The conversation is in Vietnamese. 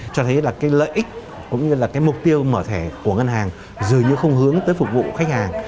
cho thấy là cái lợi ích cũng như là cái mục tiêu mở thẻ của ngân hàng dường như không hướng tới phục vụ khách hàng